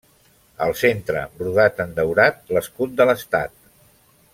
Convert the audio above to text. Al centre brodat en daurat l'escut de l'estat.